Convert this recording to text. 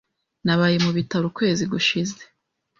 Nabaye mu bitaro ukwezi gushize.